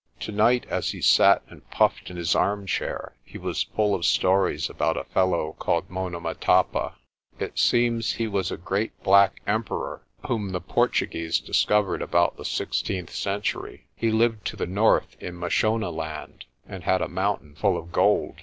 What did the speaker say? Tonight as he sat and puffed in his armchair, he was full of stories about a fellow called Monomotapa. It seems he was a great black emperor whom the Portuguese dis covered about the sixteenth century. He lived to the north in Mashonaland, and had a mountain full of gold.